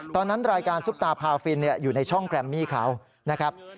ตอนนั้นรายการซุปตาพาฟินอยู่ในช่องแกรมมี่เขานะครับ